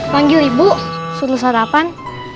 panggil ibu suruh sarapan